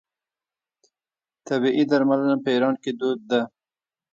طبیعي درملنه په ایران کې دود ده.